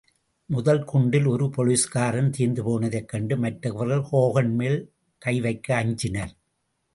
முதல் குண்டில் ஒரு போலிஸ்காரன் தீர்ந்துபோனதைக் கண்டு மற்றவர்கள் ஹோகன் மேல் கைவைக்க அஞ்சினர்.